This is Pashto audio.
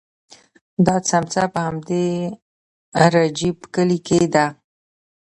دا څمڅه په همدې رجیب کلي کې ده.